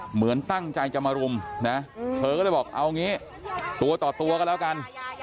เหมือนตั้งใจจะมารุมนะเธอก็เลยบอกเอางี้ตัวต่อตัวกันแล้วกัน